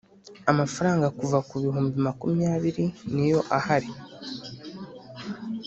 amafaranga kuva ku bihumbi makumyabiri niyo ahari